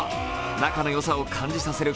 仲の良さを感じさせる